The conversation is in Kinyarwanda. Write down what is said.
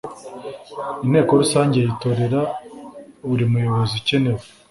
inteko rusange yitorera buri muyobozi ukenewe.